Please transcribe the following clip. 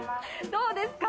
どうですか？